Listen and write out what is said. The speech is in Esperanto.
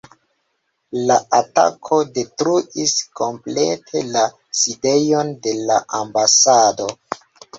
La atako detruis komplete la sidejon de la ambasado.